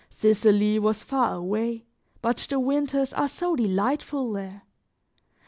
Sicily was far away, but the winters are so delightful there!